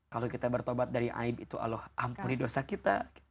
kalau kita bertobat dari aib itu allah ampuni dosa kita